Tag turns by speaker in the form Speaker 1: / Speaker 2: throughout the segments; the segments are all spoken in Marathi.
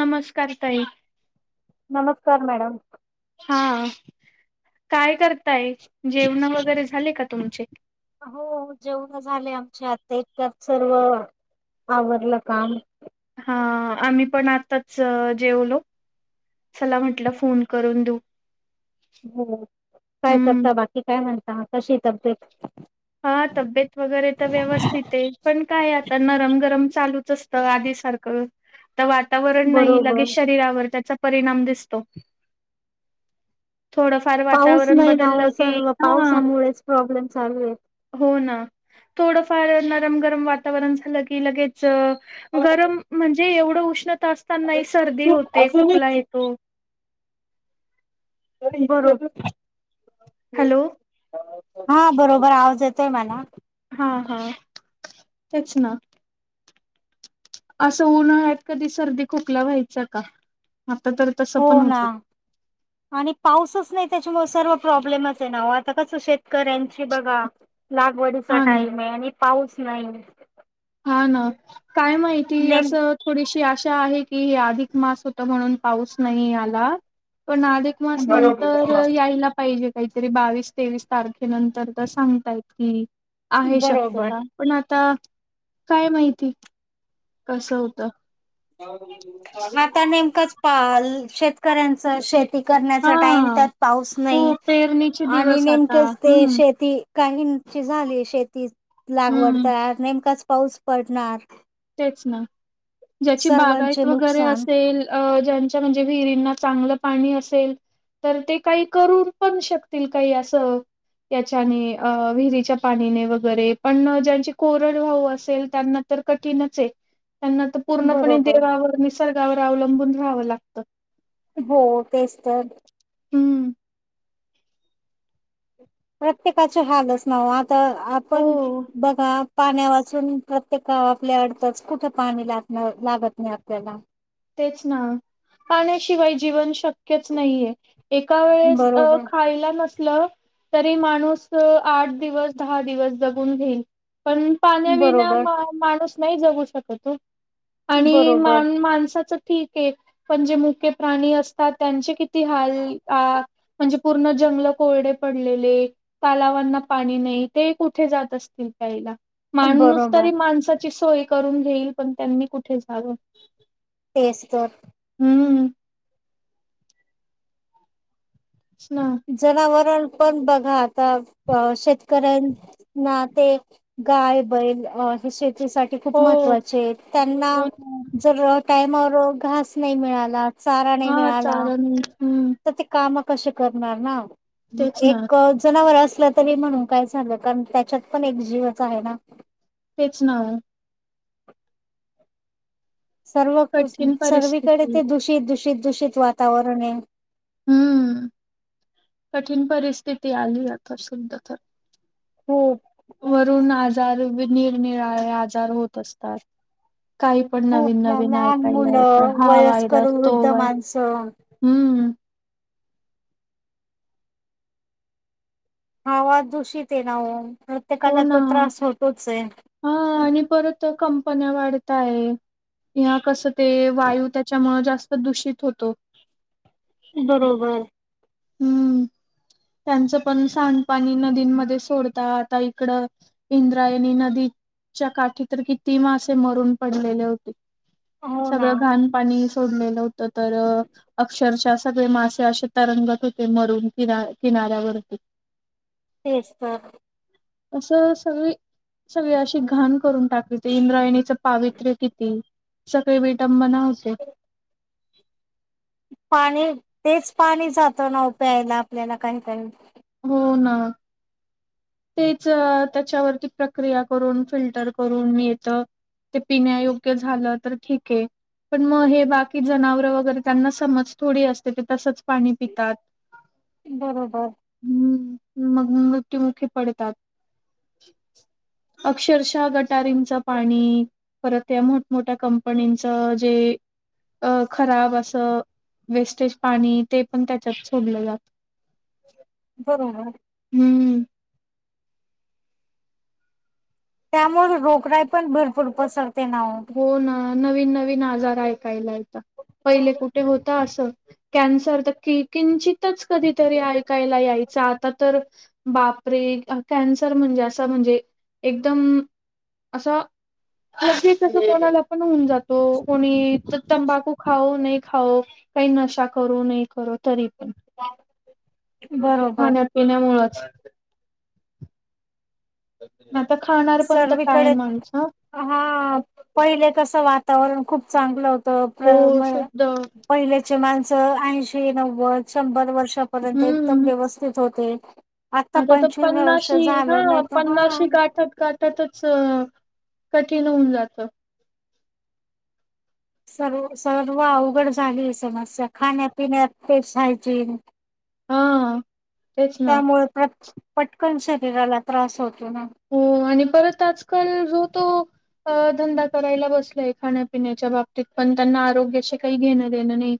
Speaker 1: नमस्कार ताई.
Speaker 2: नमस्कार मॅडम
Speaker 1: हा काय करताय जेवण वगैरे झाले का? तुमचे?
Speaker 2: हो जेवण झाले आमच्या आता इतक सर्व आवरलं काम,
Speaker 1: हा, आम्ही पण आताच जेवलो चला म्हटलं फोन करून देऊ.
Speaker 2: हो काय
Speaker 1: हम्म
Speaker 2: करता, बाकी काय म्हणता कशी तब्येत?
Speaker 1: हा तब्येत वगैरे तर व्यवस्थित आहे. पण काय आता नरम गरम. चालूच असत आधी सारखं. तर वातावरण नाही
Speaker 2: बरोबर.
Speaker 1: लगेच शरीरावर त्याचा परिणाम दिस दिसतो. थोडंफार
Speaker 2: पाऊस
Speaker 1: वातावरण
Speaker 2: नाही ना,
Speaker 1: बदललं की
Speaker 2: सर्व
Speaker 1: हा
Speaker 2: पावसामुळेच प्रॉब्लेम चालू. आहेत.
Speaker 1: हो ना थोडफार गरम गरम वातावरण झालं की लगेच.
Speaker 2: बरोबर.
Speaker 1: गरम म्हणजे एवढं? उष्ण असताना सर्दी होते, खोकला येतो.
Speaker 2: बरोबर
Speaker 1: हॅलो?
Speaker 2: हा बरोबर आज ये येतोय मला
Speaker 1: हा हा तेच ना. असं उन्हाळ्यात कधी सर्दी खोकला व्हायचा का? आता तर तसं
Speaker 2: हो,
Speaker 1: पण
Speaker 2: ना
Speaker 1: होतं.
Speaker 2: आणि पाऊसच नाही. त्याच्यामुळे सर्व प्रॉब्लेम आहे ना आता कस शेती शेतकऱ्यांची बघा लागवडीचा
Speaker 1: हा ना
Speaker 2: टाइम आहे आणि पाऊस नाही.
Speaker 1: हा ना काय माहिती
Speaker 2: नेम
Speaker 1: असं थोडीशी आशा आहे की अधिक मास होत म्हणून पाऊस नाही आला. पण अधिक मास
Speaker 2: बरोबर
Speaker 1: नंतर यायला पाहिजेत. काहीतरी बावीस तेवीस तारखेनंतर तर सांगतायेत की आहे
Speaker 2: बरोबर.
Speaker 1: शक्यता पण आता काय माहिती? कसं होतं.
Speaker 2: आता नेमकं च पाल शेत शेतकऱ्यांच शेत शेती
Speaker 1: हा
Speaker 2: करण्याचा टाइम त्यात पाऊस नाही
Speaker 1: हो पेरणीचे
Speaker 2: आणि
Speaker 1: दिवस आता
Speaker 2: नेमकंच त
Speaker 1: हम्म
Speaker 2: शेती काहीची झाली शेतीत लागवडत
Speaker 1: हम्म
Speaker 2: तर नेमकं च पाऊस पडणार.
Speaker 1: तेच ना. ज्याची बागायत
Speaker 2: सर्वांचे
Speaker 1: वगैरे
Speaker 2: नुकसान
Speaker 1: असेल अ ज्याचा म्हणजे विहिरांना चांगलं पाणी असेलतर ते काही करू पण शकतील काही असं, याच्याने अ विहिरी च्या पाण्याने वैगेरे पण मं ज्यांची कोरडवाहू असेल त्यांना तर कठीणच आहे. त्यांना तर पूर्णपणे
Speaker 2: बरोबर
Speaker 1: देवावर निसर्गावर अवलंबून राहावं लागतं.
Speaker 2: हो तेच तर.
Speaker 1: हूं!
Speaker 2: प्रत्येकाचे हालच नावो आ त आपण
Speaker 1: हो
Speaker 2: बघा पाण्या वाचून प्रत्येका आपल्या अडतंच, कुठे पाणी ला लागत नाही आपल्याला.
Speaker 1: तेच ना पाण्याशिवाय जीवन शक क्यच नाहीये एका वेळेस अ
Speaker 2: बरोबर
Speaker 1: खायला नस तरी माणूस अ आठ दिवस, दहा दिवस जगून घेईन. पण पाण्याविणा
Speaker 2: बरोबर
Speaker 1: माणूस नाही जगू शकत ओ. आणि मा
Speaker 2: बरोबर
Speaker 1: माणसंच ठीक हे पण जे मुके प्राणी असतात, त्यांचे किती ती हाल अं म्हणजे पूर्ण जंगलं कोरडे पडलेले तलावांना पाणी नाही ते कुठे जात असतील प्यायला. माणूस
Speaker 2: बरोबर
Speaker 1: तरी माणसाची सोय करून घेईल पण त्यांनी कुठे जाव
Speaker 2: तेस तर.
Speaker 1: हूं! [unintelligible]
Speaker 2: जनावरण पण बघा आता शेत [unintelligible] ते गाय बैल अ हे शेती ते साठी खूप
Speaker 1: हो
Speaker 2: महत्त्वाचेत त्यांना
Speaker 1: हो ना
Speaker 2: जर टायमावर घास नाही मिळाला. चारा नाही
Speaker 1: हा
Speaker 2: मिळाला.
Speaker 1: चालन हम्म
Speaker 2: तर ते काम. कसे करणार ना.
Speaker 1: तेच ना
Speaker 2: एक जनावर अस. असल तरी म्हणून काय झालं कारण त्याच्यात पण एक जीवच आहे ना.
Speaker 1: तेच ना
Speaker 2: सर्व
Speaker 1: कठीण
Speaker 2: [unintelligible] सर्वीकडे
Speaker 1: परिस्थिती
Speaker 2: ते दूषित दूषित दूषित वातावरण ये.
Speaker 1: हम्म कठीण परिस्थिती आली आता सदया तर
Speaker 2: हो
Speaker 1: वरून आजार निरनिराळे आजार होत असतात. काही पण नवीन
Speaker 2: खूप
Speaker 1: नवीन
Speaker 2: लहान
Speaker 1: ऐकायला येतं,
Speaker 2: मुलं
Speaker 1: हा
Speaker 2: वयस्कर
Speaker 1: व्हायरस तो
Speaker 2: वृद्ध
Speaker 1: व्हायरस.
Speaker 2: माणसं हवा दूषित हे ना ओ.
Speaker 1: हो
Speaker 2: प्रत्येकाला
Speaker 1: ना
Speaker 2: तो त्रास होतोच, आहे.
Speaker 1: हा आणि परत कंपन्या वाढताय, ह्या कसं ते वायू त्याच्यामुळं जास्त दूषित होतो.
Speaker 2: बरोबर
Speaker 1: हम्म त्यांचं पण सांडपाणी नदींमध्ये सोडता, आता इकडं इंद्रायणी नदीच्या काठी तर किती मासे मरून पडलेले होते.
Speaker 2: हो ना
Speaker 1: सगळं घाण पाणी. सोडलेलं होत, तर अक्षरच्या सगळे मासे असे तरंगत हो ते मरुन किना किनाऱ्यावरती.
Speaker 2: तेच तर.
Speaker 1: असं सगळी सगळी अशी घाण करून टाकते, इंद्रायणीच पावित्र्य किती सगळी विटंबना हो. [unintelligible]
Speaker 2: पाणी तेच पाणी जात, ना ओ प्यायला आपल्याला काही काही
Speaker 1: हो ना तेच त्याच्यावरती प्रक्रिया करून फिल्टर करून येत, ते पिण्या योग्य झालं तर ठीक आहे. पण मग हे बाकी जनावर वगैरे त्यांना समज थोडी असते. ते तसच पाणी पितात.
Speaker 2: बरोबर.
Speaker 1: ह् मग मृत्युमुखी पडतात अक्षरशा गटारींच पाणी परत या मोठमोठ्या कंपनींच जे खराब असं वेस्टेज पाणी ते पण त्याच्यात सोडलं जात.
Speaker 2: बरोबर.
Speaker 1: हम्म.
Speaker 2: त्यामुळे रोगराई पण भरपूर पसर..
Speaker 1: हो ना नवीन नवी नवीन आजार ऐकायला येतात. पहीले कुठे होतं असं कॅन्सर तर किंचित... तच कधीतरी ऐकायला यायचं, आता तर बापरे! कॅन्सर म्हणजे, असं म्हणजे एकदम अस. तसं कोणाला पण होऊन जातो, कोणी तंबाखू खाऊ, नई खाऊ काही नशा करो नाही करो तरी पण.
Speaker 2: [inaudible] बरोबर.
Speaker 1: खाण्यापिण्यामुळंच. प [unintelligible] हा.
Speaker 2: सर्वीकडे हां पहिले तसं वा वातावरण खूप चांगलं होतं त प
Speaker 1: हो
Speaker 2: म
Speaker 1: शुद्ध
Speaker 2: पहिलेचे माणसं ऐंशी, नव्वद, शंभर वर्ष वर्षापर्यंत एकदम
Speaker 1: हम्म
Speaker 2: व्यवस्थित होते.
Speaker 1: आता तर
Speaker 2: पंचवीस वर्ष
Speaker 1: पन्नाशी
Speaker 2: झालं
Speaker 1: हां
Speaker 2: नाही तर हा
Speaker 1: पन्नाशी गाठत गाठतच कठीण होऊन जातं.
Speaker 2: सर्व सर्व अवघड झालीय समस्या खाण्यापिण्यात तेच हायजीन
Speaker 1: हा तेच ना
Speaker 2: त्यामुळे त्या पटकन शरीराला त्रास होत
Speaker 1: हो आणि परत आजकाल जो तो अ धंदा करायला बसलाय खाण्यापिण्याच्या बाबतीत पण त्यांना आरोग्याशी काही घेणं देणं नाही.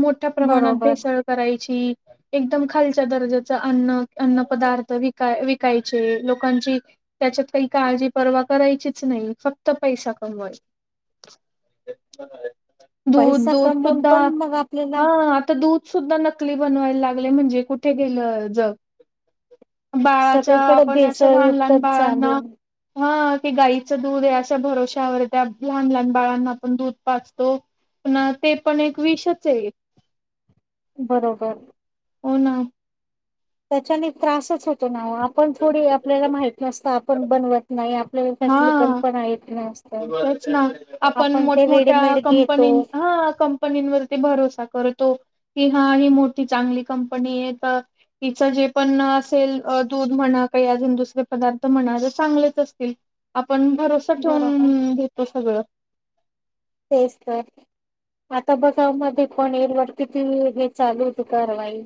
Speaker 1: मोठ्या प्रमाणात
Speaker 2: बरोबर
Speaker 1: भेसळ करायची. एकदम खालच्या दर्जाचं अन्न, अन्न पदार्थ विकय विकायचे लोकं लोकांची त्याच्यात काही काळजी परवा करायचीच नाही फक्त पैसा कमवाय दूध
Speaker 2: पैसा
Speaker 1: दूध
Speaker 2: कमवून
Speaker 1: सुद्धा
Speaker 2: पण मग आपल्याला
Speaker 1: हां आता दूध सुद्धा नक नकली बनवायला लागले म्हणजे कुठे गेलं जग बाळाच्या
Speaker 2: सगळीकडे
Speaker 1: आपण
Speaker 2: बेस
Speaker 1: अशा लहान लहान बाळांना हं की गाईचं दूध आहे अशा भरोश्यावर त्या लहान लहान बाळांना पण दूध पाचतो प ते पण एक विषच आहे
Speaker 2: बरोबर.
Speaker 1: हो ना.
Speaker 2: त्याच्याने त्रासच होतो ना हो आप आपण थोडी आपल्याला माहित असतं आपण बनवत नाही आप तरी त्यातली कल्पना येत नस
Speaker 1: हेच ना आपण मोठ मोठ्या
Speaker 2: रेडीमेड घेतो
Speaker 1: कंपनी ह कंपनीवरती भरोसा करतो ह ही मोठी चांगली कंपनी तर जे पण असेल दूध म्हणा काही अजून दुसरे पदार्थ म्हणा चांगले च असतील पण भरोसा ठेवून
Speaker 2: बरोबर
Speaker 1: हम्म घेतो सगळं.
Speaker 2: तेच तर आता बघा मध्ये पण येईल वरती हे चालू होत कारवाई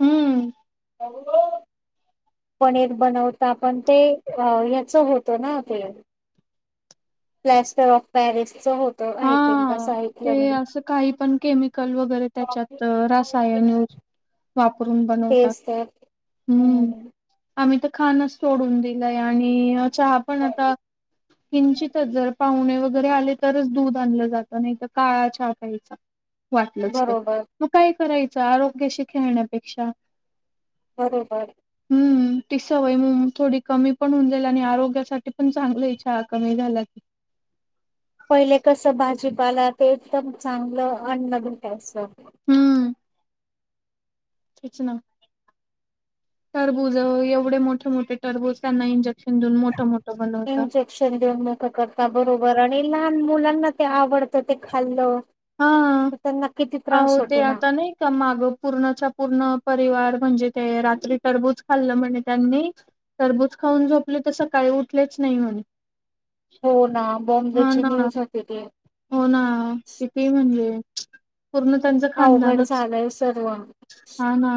Speaker 1: हम्म.
Speaker 2: [unintelligible] पनीर बनवता पण ते अ ह्याच होतं ना ते प्लॅस्टर ऑफ पॅरिसच होत आहे ते
Speaker 1: हा
Speaker 2: असं ऐकलं
Speaker 1: ते
Speaker 2: मी
Speaker 1: असं काही पण केमिकल वगैरे त्याच्यात, रासायन वापरून बनवतात.
Speaker 2: तेच तर
Speaker 1: हम्म. आम्ही तर खानचं सोडून दिल. चहा पण आता किंचित पाव्हने वगैरे आले तरच दूध आणलं जात नाही तर काळा च्या प्यायचा. वाटलंच तर
Speaker 2: बरोबर
Speaker 1: मग काय? करायचं आरोग्याशी खेळण्यापेक्षा
Speaker 2: बरोबर
Speaker 1: ती सवय म थोडी कमी पण होऊन जाईल आणि आरोग्यासाठी पण चांगली चहा कमी झाला तर.
Speaker 2: पहिले कस भाजीपाला ते एकदम चांगलं अन्न भेटायचं.
Speaker 1: हम्म. तेच ना, टरबूज एवढे मोठे मोठे टरबूज त्यांना इंजेक्ट
Speaker 2: इंजेक्शन देऊन मोठ करता बरोबर. बर आणि लहान मुलांना ते आवडतं ते खाल्लं
Speaker 1: हा
Speaker 2: तर त्यांना किती
Speaker 1: अहो
Speaker 2: त्रास
Speaker 1: ते
Speaker 2: होतो ना
Speaker 1: आता नाही का माग पूर्णच्या पूर्ण परिवार म्हणजे ते रात्री टरबूज खाल्लं म्हने त्यांनी टरबूज खाऊन झोपले तर सकाळी उठलेच नाही म्हणे.
Speaker 2: हो ना
Speaker 1: हां
Speaker 2: बॉम्बेची
Speaker 1: ना.
Speaker 2: न्यूज होती ती.
Speaker 1: हम्म. पूर्ण त्यांचं
Speaker 2: अवघड
Speaker 1: खानदानच
Speaker 2: झालंय सर्व
Speaker 1: हा ना.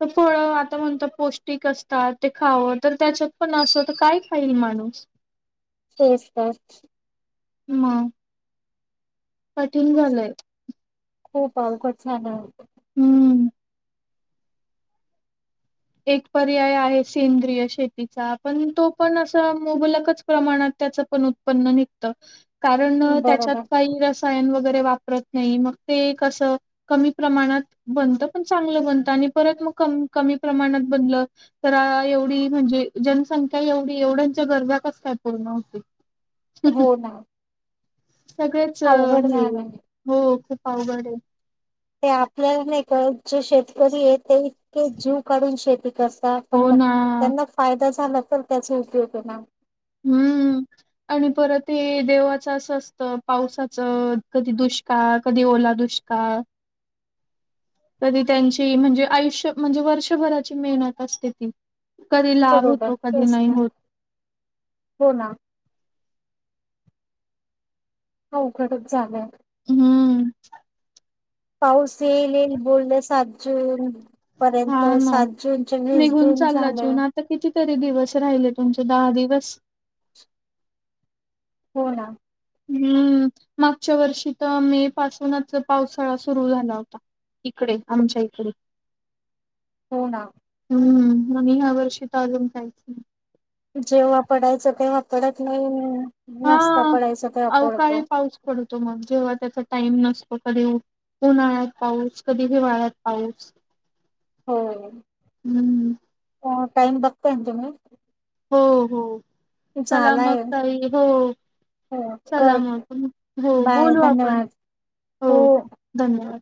Speaker 1: तर फळ आता म्हणत पौष्टिक असतात ते खावं तर त्याच्यात पण असं तर काय खाईल माणूस?
Speaker 2: तेच तर.
Speaker 1: मग. कठीण झालंय?
Speaker 2: खूप अवघड झालं आहे.
Speaker 1: हम्म. एक पर्याय आहे सेंद्रिय शेतीचा पण तो पण असं मुबलकच प्रमाणात त्याच पण उत्पन्न निघत. कारण त्याच्यात
Speaker 2: बरोबर
Speaker 1: काही रसायन वगैर वापरत नाही ते कसं कमी प्रमाणात बनत. पण चांगल बनत. आणि परत कमी प्रमाणात बनलं. तर एवढी म्हणजे जनसंख्या एवढी, एवढ्यांच्या गरजा कसं काय पूर्ण होतील.
Speaker 2: हो ना.
Speaker 1: सगळेच
Speaker 2: अवघड
Speaker 1: हे
Speaker 2: झालं
Speaker 1: हो. अवघड ए
Speaker 2: ते आपल्याला नाही कळत जे शेतकरी आहे ते इतके जीव काढून शेती कर तात
Speaker 1: हो ना
Speaker 2: त्यांना फायदा झाला. तर त्याचा उपयोग आहे ना.
Speaker 1: हम्म आणि परत हे देवाचं असं असतं, पावसाचं, कधी दुष्काळ कधी, ओला दुष्काळ. कधी त्यांची म्हणजे आयुष्य म्हणजे, वर्षभराची मेहनत असते ती. कधी लाभ होतो
Speaker 2: बरोबर
Speaker 1: कधी
Speaker 2: तेच
Speaker 1: नाही
Speaker 2: तर
Speaker 1: होत
Speaker 2: हो ना अवघडच झालंय.
Speaker 1: हम्म.
Speaker 2: पाऊस येईल येल बोलस सात जून.
Speaker 1: हा
Speaker 2: पर्यंत
Speaker 1: ना.
Speaker 2: सात जून च वीस जून झालं
Speaker 1: तरी दिवस राहिले तुमचे दहा दिवस
Speaker 2: हो ना
Speaker 1: हम्म मागच्या वर्षी तर मे पासूनच पावसाळा सुरु झाला होता इकडे आमच्या इकडे.
Speaker 2: हो ना
Speaker 1: हम्म म ह्या वर्षी चालून जायच
Speaker 2: जेव्हा पडायचा तेव्हा पडत नाही ना. नसता पडायचा तेव्हा पडतो
Speaker 1: तो मग जेव्हा त्याचा टाइम नसतो कधी उन्हाळ्यात पाऊस कधी हिवाळ्यात पाऊस
Speaker 2: हो
Speaker 1: हम्म
Speaker 2: अ टाईम बघताय ना तुम्ही
Speaker 1: हो हो चला मग
Speaker 2: झालाय
Speaker 1: काही हो
Speaker 2: हो कर
Speaker 1: चला मग हो
Speaker 2: बाय
Speaker 1: बोलू आपण
Speaker 2: धन्यवाद
Speaker 1: हो धन्यवाद